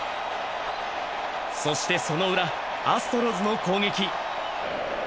そしてそのウラ、アストロズの攻撃。